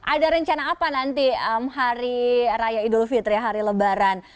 ada rencana apa nanti hari raya idul fitri hari lebaran